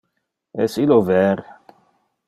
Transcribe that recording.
Es illo ver?